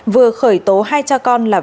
vừa khởi tố hai cha con là võ thanh tuấn